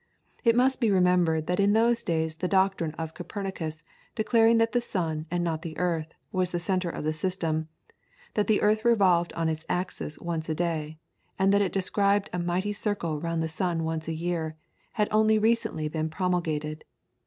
It must be remembered that in those days the doctrine of Copernicus, declaring that the sun, and not the earth, was the centre of the system, that the earth revolved on its axis once a day, and that it described a mighty circle round the sun once a year, had only recently been promulgated.